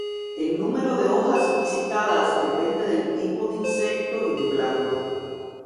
El número de hojas visitadas depende del tipo de insecto y de planta.